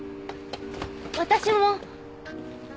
私も。